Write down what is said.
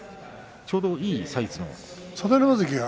ちょうどいいサイズの？